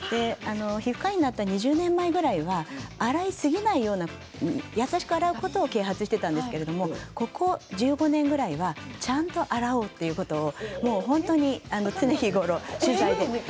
皮膚科医になった２０年ぐらい前は洗いすぎないように優しく洗うことは啓発していましたがここ１５年ぐらいはちゃんと洗おうということを常日頃、取材で。